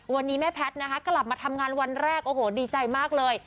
วันนี้แม่แพทย์นะคะกลับมาทำงานวันแรกโอ้โหดีใจมากเลย